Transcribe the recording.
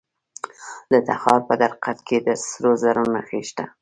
د تخار په درقد کې د سرو زرو نښې شته.